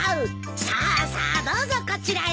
さあさあどうぞこちらへ。